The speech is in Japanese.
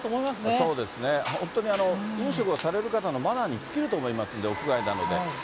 そうですね、本当に飲食をされる方のマナーに尽きると思いますんで、屋外なので。